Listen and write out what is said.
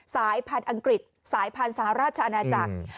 สายพันธุ์อังกฤษสายพันธุ์สหราชอาณาจักร